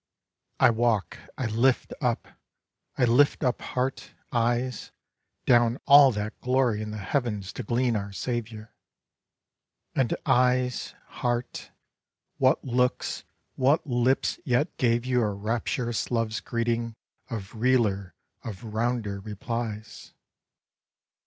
I walk, I lift up, I lift up heart, eyes, Down all that glory in the heavens to glean our Saviour; And, éyes, heárt, what looks, what lips yet gave you a Rapturous love's greeting of realer, of rounder replies?